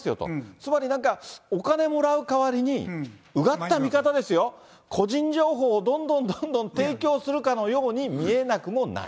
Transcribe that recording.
つまりなんか、お金もらう代わりに、うがった見方ですよ、個人情報をどんどんどん提供するかのように見えなくもない。